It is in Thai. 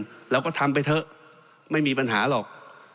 ประเทศอื่นแล้วก็ทำไปเถอะไม่มีปัญหาหรอก